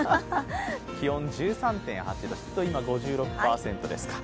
気温１３．８度、湿度、今５６％ですか。